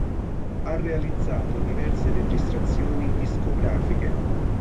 Ha realizzato diverse registrazioni discografiche.